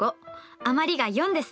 余りが４ですね。